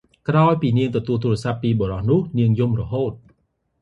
ក្រោយពីនាងទទួលទូរសព្ទ័ ពីបុរសនោះ នាងយំរហូត ។